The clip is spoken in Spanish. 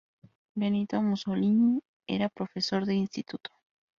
Benito Mussolini era profesor de instituto.